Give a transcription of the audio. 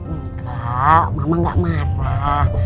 enggak mama gak marah